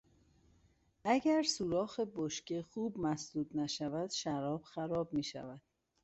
اگر سوراخ بشکه خوب مسدود نشود شراب خراب میشود.